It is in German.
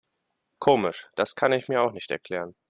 Komisch, das kann ich mir auch nicht erklären.